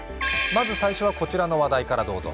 まず最初はこちらの話題からどうぞ。